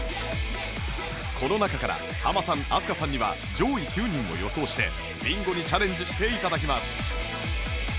この中からハマさん飛鳥さんには上位９人を予想してビンゴにチャレンジして頂きます